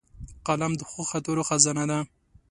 قلم د ښو خاطرو خزانه ده